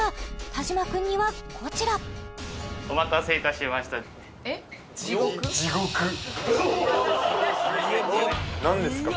田島君にはこちらお待たせいたしました何ですか？